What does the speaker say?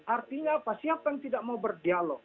artinya apa siapa yang tidak mau berdialog